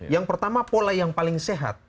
yang pertama pola yang paling sehat